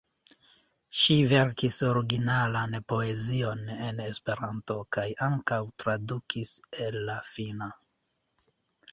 Ŝi verkis originalan poezion en Esperanto kaj ankaŭ tradukis el la finna.